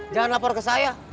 jangan lapor ke saya